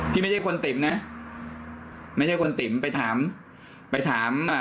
พี่ไม่ใช่คนติ๋มนะ